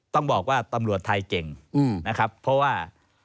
ต้องบอกว่าตำรวจไทยเก่งนะครับเพราะว่า